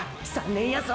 ３年やぞ！